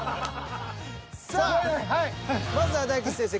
さあまずは大吉先生